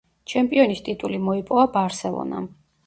ჩემპიონის ტიტული მოიპოვა „ბარსელონამ“.